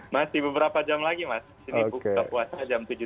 mas di beberapa jam lagi mas di buka puasa jam tujuh tiga puluh